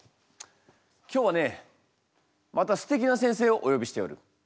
今日はねまたすてきな先生をおよびしておる。